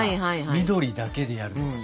緑だけでやるとかさ。